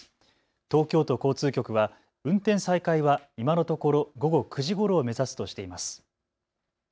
東京都交通局は運転再開は今のところ、午後９時ごろを目指すとしています。